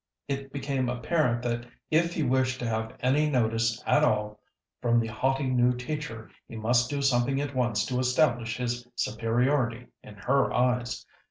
It became apparent that if he wished to have any notice at all from the haughty new teacher he must do something at once to establish his superiority in her eyes.